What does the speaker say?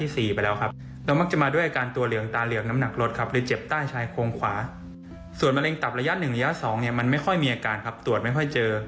ส่วนมะเร็งตับระยะที่๑และ๒มันไม่ค่อยมีอาการตรวจไม่ค่อยเจอ